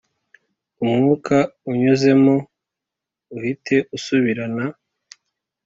umwuka unyuzemo uhita usubirana,